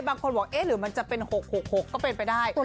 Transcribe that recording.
บางคนบอกเอ๊ะหรือมันจะเป็น๖๖๖ก็เป็นไปได้